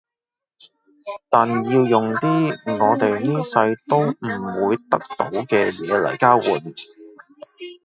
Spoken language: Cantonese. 但要用啲我哋呢世都唔會得到嘅嘢嚟交換